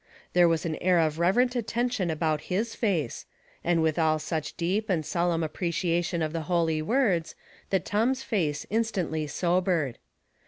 There was an air of reverent attention about his face, and withal such deep and solemn appreciation of the holy words, that Tom's face instantly sobered.